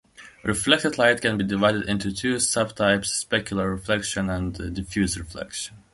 Reflected light can be divided into two sub-types, specular reflection and diffuse reflection.